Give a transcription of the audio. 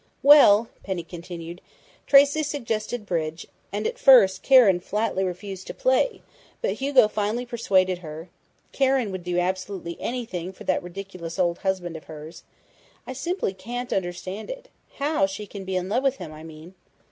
"Well," Penny continued, "Tracey suggested bridge, and at first Karen flatly refused to play, but Hugo finally persuaded her.... Karen would do absolutely anything for that ridiculous old husband of hers! I simply can't understand it how she can be in love with him, I mean!"